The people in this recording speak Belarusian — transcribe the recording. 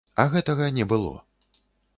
А гэтага не было.